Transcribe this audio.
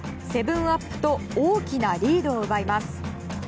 ７アップと大きなリードを奪います。